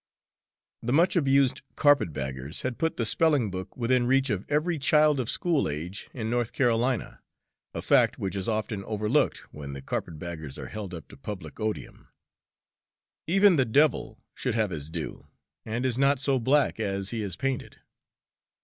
The much abused carpet baggers had put the spelling book within reach of every child of school age in North Carolina, a fact which is often overlooked when the carpet baggers are held up to public odium. Even the devil should have his due, and is not so black as he is painted.